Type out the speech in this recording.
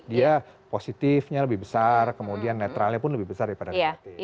dia positifnya lebih besar kemudian netralnya pun lebih besar daripada negatif